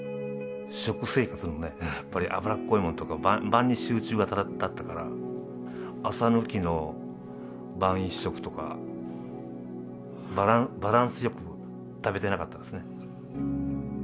食生活のね、やっぱり脂っこいものとか、晩に集中型だったから、朝抜きの晩１食とか、バランスよく食べてなかったですね。